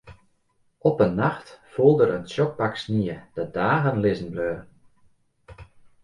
Op in nacht foel der in tsjok pak snie dat dagen lizzen bleau.